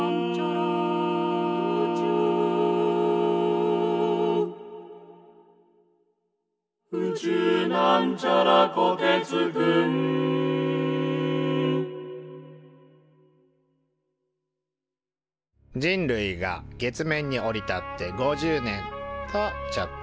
「宇宙」人類が月面に降り立って５０年！とちょっと。